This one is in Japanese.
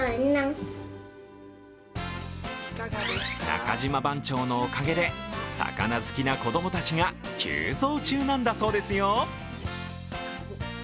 中島番長のおかげで、魚好きな子供たちが急増中なんだそうですよ。